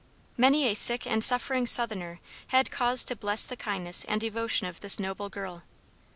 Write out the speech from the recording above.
Many a sick and suffering Southerner had cause to bless the kindness and devotion of this noble girl.